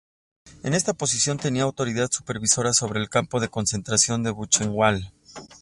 En esta posición tenía autoridad supervisora sobre el campo de concentración de Buchenwald.